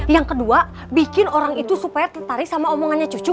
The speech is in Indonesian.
yang kedua bikin orang itu supaya tertarik sama omongannya cucu